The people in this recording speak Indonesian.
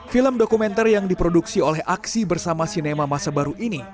film dokumenter yang diproduksi oleh aksi bersama sinema masa baru ini